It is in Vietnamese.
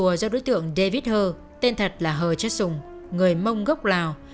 nhóm tàn ảo dê xùa do đối tượng david ho tên thật là ho chất dùng người mông gốc lào